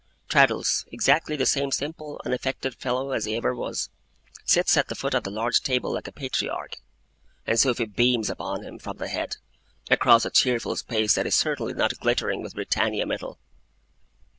Traddles, exactly the same simple, unaffected fellow as he ever was, sits at the foot of the large table like a Patriarch; and Sophy beams upon him, from the head, across a cheerful space that is certainly not glittering with Britannia metal.